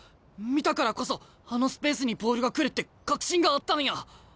見たからこそあのスペースにボールが来るって確信があったんや。